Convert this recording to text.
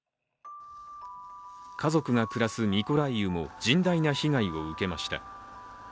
家族が暮らすミコライウも甚大な被害を受けました。